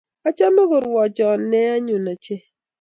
Achame karuchon ne nyun ochei